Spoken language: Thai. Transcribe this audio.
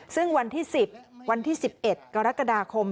ซึ่งวันที่๑๐วันที่๑๑กรกฎาคม